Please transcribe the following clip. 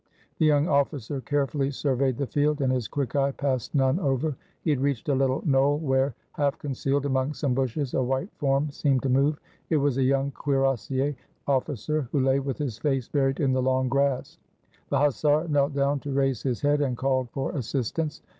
The young officer carefully surveyed the field, and his quick eye passed none over. He had reached a little knoll, where, half concealed among some bushes, a white form seemed to move. It was a young cuirassier officer, who lay with his face buried in the long grass. The hussar knelt down to raise his head, and called for assistance.